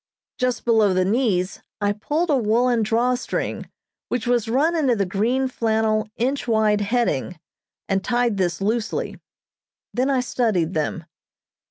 Just below the knees I pulled a woolen drawstring which was run into the green flannel, inch wide heading, and tied this loosely; then I studied them.